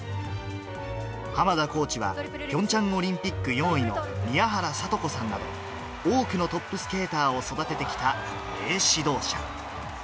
濱田コーチは、ピョンチャンオリンピック４位の宮原知子さんなど、多くのトップスケーターを育ててきた名指導者。